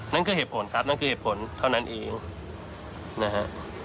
นั่นคือเหตุผลครับนั่นคือเหตุผลเท่านั้นเองนะฮะ